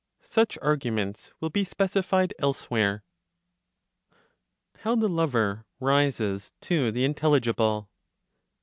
Such arguments will be specified elsewhere. HOW THE LOVER RISES TO THE INTELLIGIBLE.